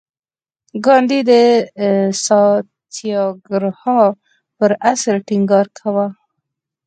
ګاندي د ساتیاګراها پر اصل ټینګار کاوه.